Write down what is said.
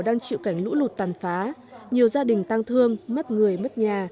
đang chịu cảnh lũ lụt tàn phá nhiều gia đình tăng thương mất người mất nhà